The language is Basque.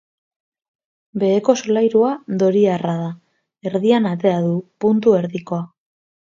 Beheko solairua doriarra da, erdian atea du, puntu erdikoa.